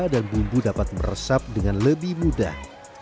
dan bumbu dapat meresap dengan lebih mudah